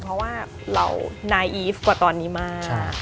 เพราะว่าเรานายอีฟกว่าตอนนี้มาก